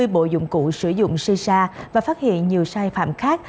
hai mươi bộ dụng cụ sử dụng si sa và phát hiện nhiều sai phạm khác